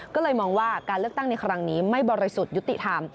ก็เลยมองว่าการเลือกตั้งในครั้งนี้ไม่บริสุทธิ์ยุติธรรม